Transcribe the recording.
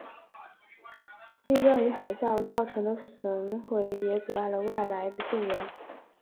地震与海啸造成的损毁也阻碍了外来的救援。